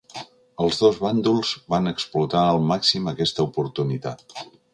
Els dos bàndols van explotar al màxim aquesta oportunitat.